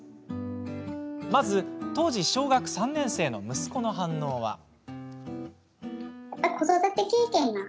まず、当時小学３年生の息子の反応は。